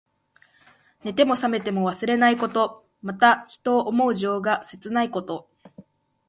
寝ても冷めても忘れないこと。また、人を思う情が切ないこと。